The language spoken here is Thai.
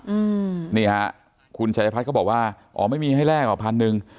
อืมนี่ฮะคุณชัยพัฒน์ก็บอกว่าอ๋อไม่มีให้แลกหรอพันหนึ่ง